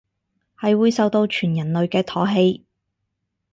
係會受到全人類嘅唾棄